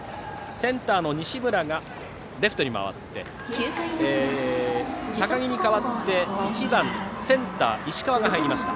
センターの西村がレフトに回って高木に代わって１番、センター石川が入りました。